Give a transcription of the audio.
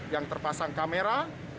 yang terpasang kamera